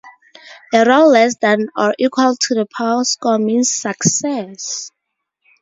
A roll less than or equal to the Power Score means success.